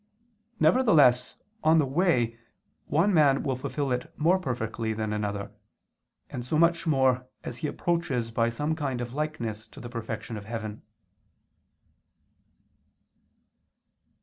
Nevertheless on the way one man will fulfil it more perfectly than another, and so much the more, as he approaches by some kind of likeness to the perfection of heaven.